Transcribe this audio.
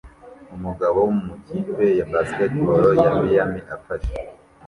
Umugabo mu ikipe ya basketball ya Miami afashe